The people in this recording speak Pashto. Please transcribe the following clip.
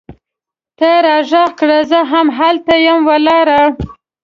ته راږغ کړه! زه هم هلته یم ولاړه